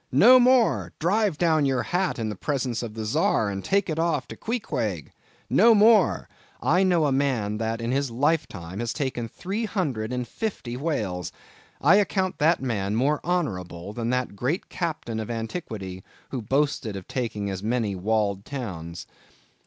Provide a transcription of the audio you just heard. No more! Drive down your hat in presence of the Czar, and take it off to Queequeg! No more! I know a man that, in his lifetime, has taken three hundred and fifty whales. I account that man more honorable than that great captain of antiquity who boasted of taking as many walled towns.